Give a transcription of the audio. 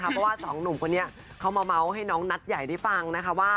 เพราะว่าสองหนุ่มคนนี้เขามาเมาส์ให้น้องนัดใหญ่ได้ฟังนะคะว่า